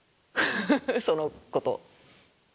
その子と。